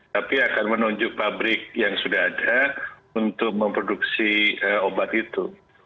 tapi akan menunjuk pabrik yang sudah ada untuk memproduksi obat itu